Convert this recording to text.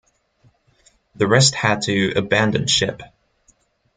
The rest had to abandon ship.